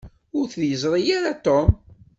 Ur t-yeẓṛi ara Tom.